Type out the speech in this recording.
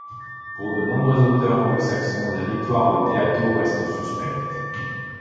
Pour de nombreux auteurs anglo-saxons, la victoire de Théato reste suspecte.